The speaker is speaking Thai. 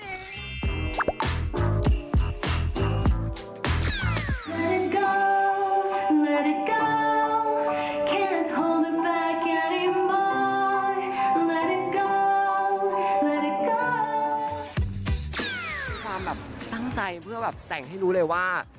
ความแบบตั้งใจเพื่อแบบแต่งให้รู้เลยว่า